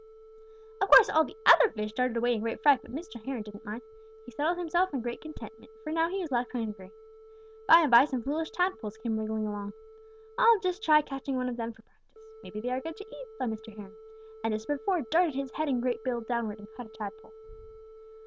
"Of course all the other fish darted away in great fright, but Mr. Heron didn't mind. He settled himself in great contentment, for now he was less hungry. By and by some foolish tadpoles came wriggling along. 'I'll just try catching one of them for practice. Maybe they are good to eat,' thought Mr. Heron, and just as before darted his head and great bill downward and caught a tadpole.